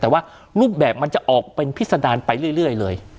แต่ว่ารูปแบบมันจะออกเป็นพิษดารไปเรื่อยเลย